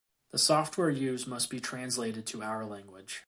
The software used must be translated to our language.